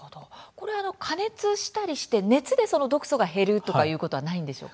加熱したりして熱で毒素が減るということはないんですか。